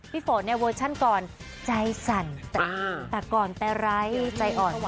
ฝนเนี่ยเวอร์ชันก่อนใจสั่นแต่ก่อนแต่ไร้ใจอ่อน